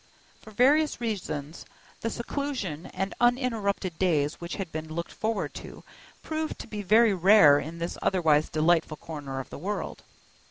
For various reasons, the seclusion and uninterrupted days which had been looked forward to proved to be very rare in this otherwise delightful corner of the world.